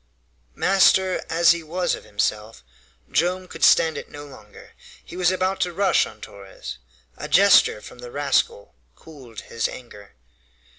Master as he was of himself, Joam could stand it no longer. He was about to rush on Torres. A gesture from the rascal cooled his anger.